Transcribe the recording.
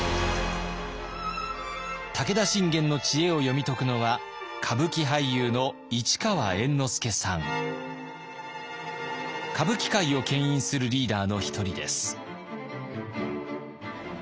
武田信玄の知恵を読み解くのは歌舞伎界をけん引するリーダーの一人です。